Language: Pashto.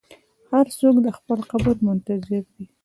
هر څوک د خپل قبر منتظر دی.